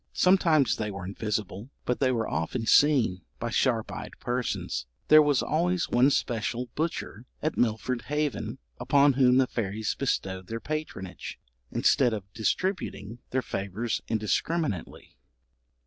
Sometimes they were invisible, but they were often seen, by sharp eyed persons. There was always one special butcher at Milford Haven upon whom the fairies bestowed their patronage, instead of distributing their favours indiscriminately.